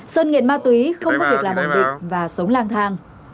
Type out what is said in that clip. sơn nghiện ma túy không có việc làm ổn định và sống lang thang